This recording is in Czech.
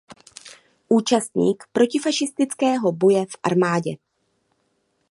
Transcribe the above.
Účastník protifašistického boje v armádě.